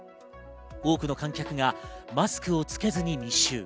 多くの観客がマスクを着けずに密集。